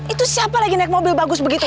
itu siapa lagi naik mobil bagus begitu